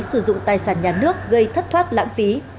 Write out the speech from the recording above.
sử dụng tài sản nhà nước gây thất thoát lãng phí